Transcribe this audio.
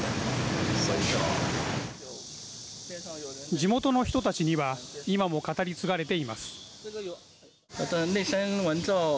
地元の人たちには今も、語り継がれています。